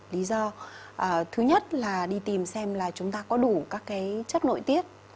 lý do thứ nhất là đi tìm xem là chúng ta có đủ các cái chất nội tiết